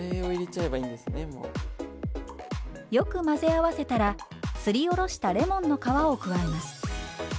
よく混ぜ合わせたらすりおろしたレモンの皮を加えます。